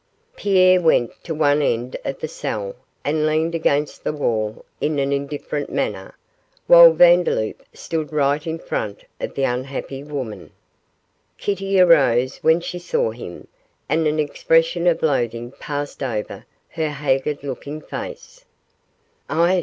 Pierre went to one end of the cell and leaned against the wall in an indifferent manner, while Vandeloup stood right in front of the unhappy woman. Kitty arose when she saw him, and an expression of loathing passed over her haggard looking face.